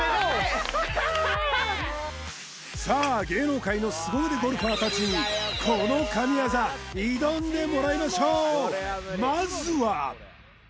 さあ芸能界の凄腕ゴルファー達にこの神業挑んでもらいましょうまずは！